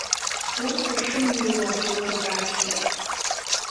Урҭ ушымнеиуа еилыркаахьеит.